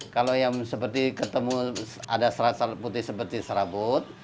kalau yang seperti ketemu ada serat serat putih seperti serabut